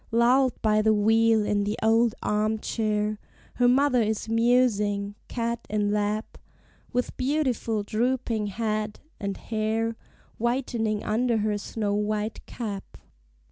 Lulled by the wheel, in the old arm chair Her mother is musing, cat in lap, With beautiful drooping head, and hair Whitening under her snow white cap.